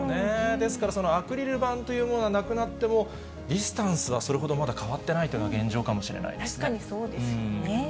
ですから、アクリル板というものはなくなっても、ディスタンスはまだ変わってないっていうのが現状かもしれないで確かにそうですよね。